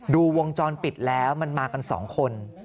วงจรปิดแล้วมันมากัน๒คน